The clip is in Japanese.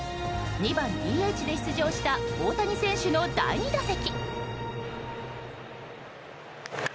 ２番ＤＨで出場した大谷選手の第２打席。